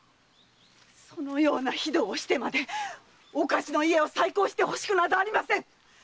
そのような非道をしてまで岡地の家を再興してほしくなどありません‼